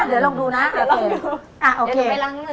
เดี๋ยวไปล้างเงื่อ